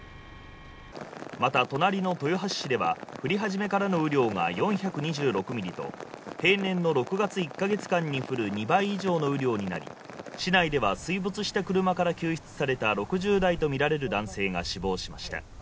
また隣の豊橋市では降り始めからの雨量が４２６ミリと平年の６月１ヶ月間に降る２倍以上の雨量になり、市内では水没した車から救出された６０代とみられる男性が死亡しました。